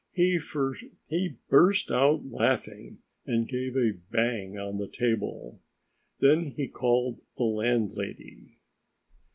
He burst out laughing and gave a bang on the table. Then he called the landlady.